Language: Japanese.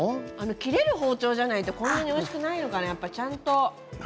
切れる包丁じゃないとこんなにおいしくないのかな？